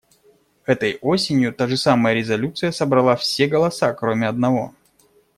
Этой осенью та же самая резолюция собрала все голоса, кроме одного.